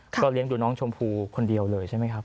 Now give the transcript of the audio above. ก็เลี้ยงดูน้องชมพู่คนเดียวเลยใช่ไหมครับ